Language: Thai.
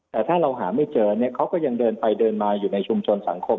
แต่ถ้าเราหาไม่เจอเนี่ยเขาก็ยังเดินไปเดินมาอยู่ในชุมชนสังคม